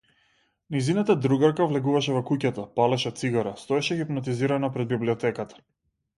Нејзината другарка влегуваше во куќата, палеше цигара, стоеше хипнотизирано пред библиотеката.